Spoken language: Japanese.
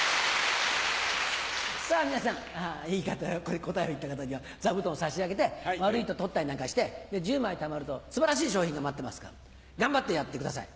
皆さんいい答えを言った方には座布団を差し上げて悪いと取ったりなんかして１０枚たまると素晴らしい賞品が待ってますから頑張ってやってください。